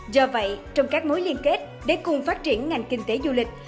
do vậy trong các mối liên kết để cùng phát triển ngành kinh tế du lịch